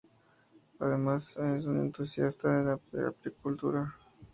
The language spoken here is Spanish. Además es un entusiasta de la apicultura.